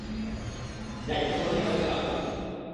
যা একটু পরেই আমরা আলোচনা করছি।